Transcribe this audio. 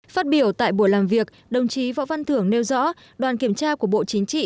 phát biểu tại buổi làm việc đồng chí võ văn thưởng nêu rõ đoàn kiểm tra của bộ chính trị